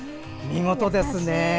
見事ですね。